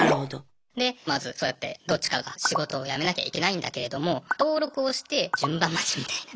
でまずそうやってどっちかが仕事を辞めなきゃいけないんだけれども登録をして順番待ちみたいな。